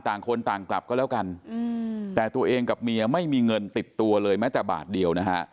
ต่างคนต่างกลับก็แล้วกันแต่ตัวเองกับเมียไม่มีเงินติดตัวเลยแม้แต่บาทเดียวนะฮะ